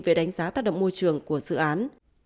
về đánh giá tác động môi trường của dự án